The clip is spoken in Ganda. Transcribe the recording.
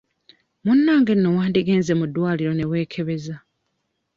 Munnange nno wandigenze mu ddwaliro ne weekebeza.